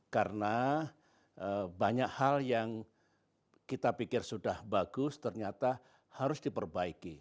karena banyak hal yang kita pikir sudah bagus ternyata harus diperbaiki